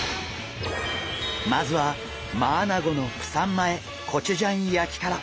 まずはマアナゴのプサン前コチュジャン焼きから！